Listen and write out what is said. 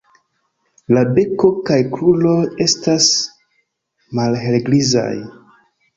La beko kaj kruroj estas malhelgrizaj.